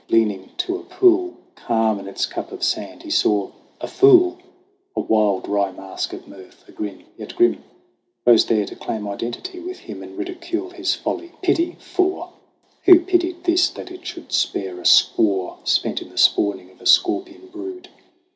Leaning to a pool Calm in its cup of sand, he saw a fool ! A wild, wry mask of mirth, a grin, yet grim, Rose there to claim identity with him And ridicule his folly. Pity ? Faugh ! Who pitied this, that it should spare a squaw Spent in the spawning of a scorpion brood